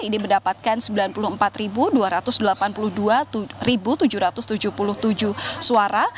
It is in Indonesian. ini mendapatkan sembilan puluh empat dua ratus delapan puluh dua tujuh ratus tujuh puluh tujuh suara